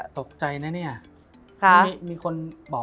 มันทำให้ชีวิตผู้มันไปไม่รอด